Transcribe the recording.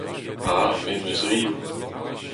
A, me 'm eus riv.